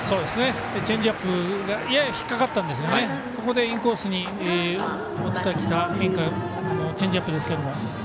チェンジアップがやや引っ掛かったんですがそこでインコースに落ちてきた変化のチェンジアップですけども。